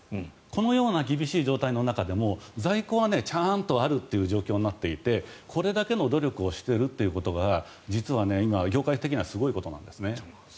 このような厳しい状態の中でも在庫はちゃんとあるという状況になっていてこれだけの努力をしているということが実は業界的にはすごいことなんですね。